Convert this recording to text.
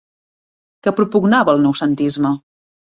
Què propugnava el noucentisme?